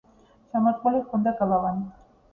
შემორტყმული ჰქონდა გალავანი.